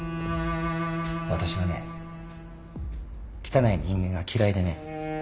私はね汚い人間が嫌いでね。